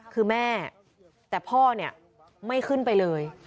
คือแม่แต่พ่อเนี่ยไม่ขึ้นไปเลย